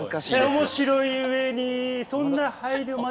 面白いうえにそんな配慮までできる。